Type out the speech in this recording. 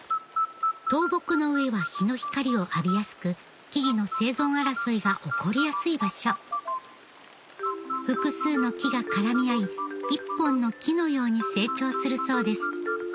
倒木の上は日の光を浴びやすく木々の生存争いが起こりやすい場所複数の木が絡み合い一本の木のように成長するそうです